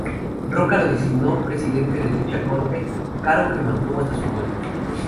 Roca lo designó presidente de dicha Corte, cargo que mantuvo hasta su muerte.